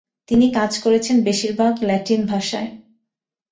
তিনি কাজ করেছেন বেশিরভাগ ল্যাটিন ভাষায়।